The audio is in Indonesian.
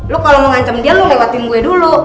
lo kalo mau ngancem dia lo lewatin gue dulu